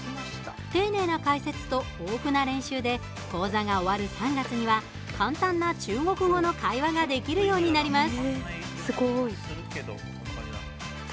丁寧な解説と豊富な練習で講座が終わる３月には簡単な中国語の会話ができるようになります。